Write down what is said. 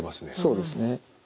そうですね。